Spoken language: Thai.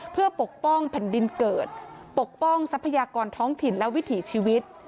เพื่อปกป้องแผ่นดินเกิดปกป้องทรัพยากรท้องถิ่นและวิถีชีวิต